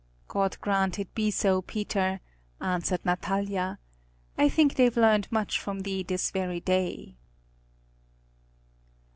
"God grant it be so, Peter!" answered Natalia. "I think they've learned much from thee this very day."